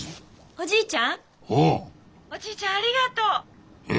☎おじいちゃんありがとう。ええ？